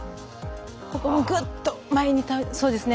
ここもぐっと前にそうですね。